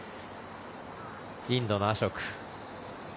インドのアショク。